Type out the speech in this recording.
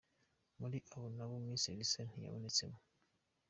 Muri aba nabo Miss Elsa ntiyabonetsemo.